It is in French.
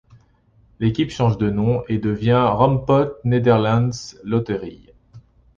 L'équipe change de nom et devient Roompot-Nederlandse Loterij.